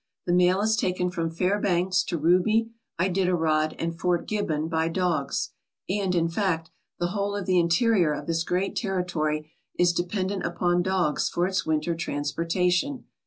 The mail is taken from Fairbanks to Ruby, Iditarod, and Fort Gibbon by dogs, and, in fact, the whole of the interior of this great territory is de pendent upon dogs for its winter transportation.